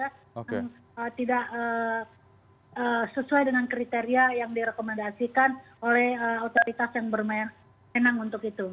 yang tidak sesuai dengan kriteria yang direkomendasikan oleh otoritas yang bermain tenang untuk itu